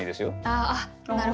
あっなるほど。